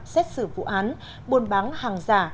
xét xử vụ án buôn bán hàng giả